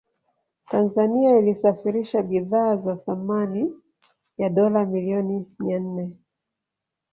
Tanzania ilisafirisha bidhaa za thamani ya dola milioni mia nne